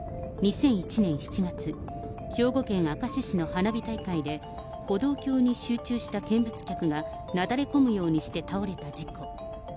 ２００１年７月、兵庫県明石市の花火大会で、歩道橋に集中した見物客がなだれ込むようにして倒れた事故。